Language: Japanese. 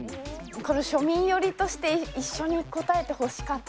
これ庶民寄りとして一緒に答えてほしかった。